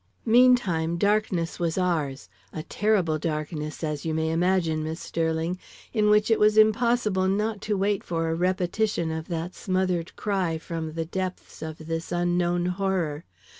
"Meantime darkness was ours; a terrible darkness, as you may imagine, Miss Sterling, in which it was impossible not to wait for a repetition of that smothered cry from the depths of this unknown horror.